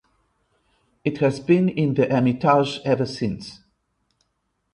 It has been in the Hermitage ever since.